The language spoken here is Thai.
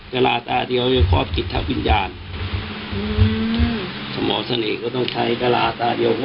กลาตาเดียวยังครอบคิดทางปิญญาณอืมหมอเสน่ห์ก็ต้องใช้กลาตาเดียว